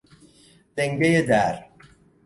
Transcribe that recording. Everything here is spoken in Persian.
لنگه در